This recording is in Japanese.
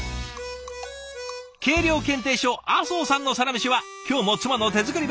計量検定所麻生さんのサラメシは今日も「妻の手作り弁当」。